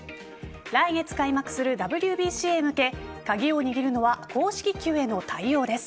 来月開幕するＷＢＣへ向け鍵を握るのは公式球への対応です。